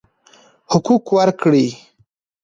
حقوق ورکړئ.